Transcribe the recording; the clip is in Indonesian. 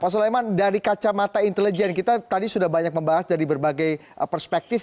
pak sulaiman dari kacamata intelijen kita tadi sudah banyak membahas dari berbagai perspektif